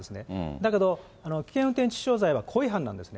だけど危険運転致死傷罪は故意犯なんですね。